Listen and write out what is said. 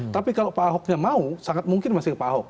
tapi kalau pak ahoknya mau sangat mungkin masih ke pak ahok